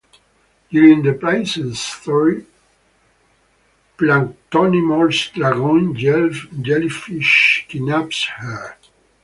During the princess' story, Planktonimor's dragon jellyfish kidnaps her.